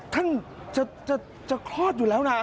ท่านจะคลอดอยู่แล้วนะ